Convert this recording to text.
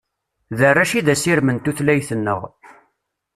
D arrac i d asirem n tutlayt-nneɣ.